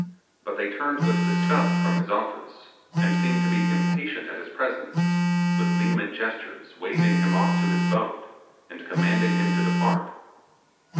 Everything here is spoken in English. But they turned with disgust from his offers and seemed to be impatient at his presence, with vehement gestures waving him off to his boat, and commanding him to depart.